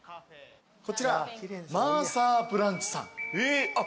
こちらマーサーブランチさん。